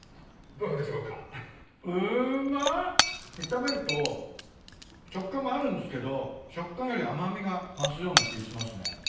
炒めると食感もあるんですけど食感より甘味が増すような気しますね。